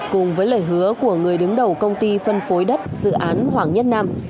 cùng với lời hứa của người đứng đầu công ty phân phối đất dự án hoàng nhất nam